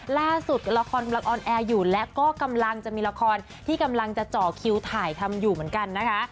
ล่าสุดละครกำลังออนแอร์อยู่และก็กำลังจะมีละครที่กำลังจะจ่อคิวถ่ายทำอยู่เหมือนกันนะคะ